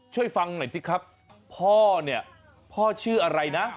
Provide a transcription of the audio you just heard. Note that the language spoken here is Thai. ช่วยฟังหน่อยสิครับพ่อเนี่ยพ่อชื่ออะไรนะ